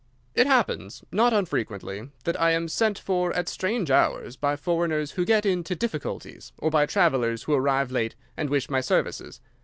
"It happens not unfrequently that I am sent for at strange hours by foreigners who get into difficulties, or by travelers who arrive late and wish my services.